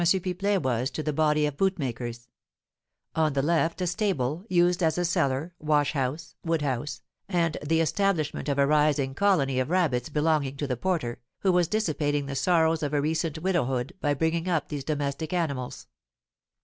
Pipelet was to the body of boot makers; on the left a stable, used as a cellar, washhouse, woodhouse, and the establishment of a rising colony of rabbits belonging to the porter, who was dissipating the sorrows of a recent widowhood by bringing up these domestic animals.